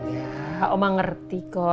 ya oma ngerti kok